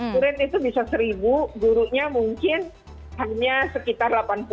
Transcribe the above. gurun itu bisa seribu gurunya mungkin hanya sekitar delapan puluh